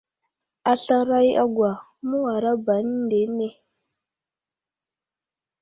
A slaray a gwa, məwara ba əndene.